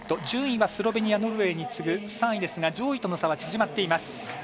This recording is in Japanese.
順位はスロベニアノルウェーに次ぐ３位ですが上位との差は縮まっています。